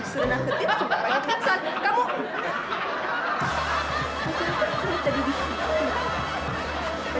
serena ketip sempat aja pingsan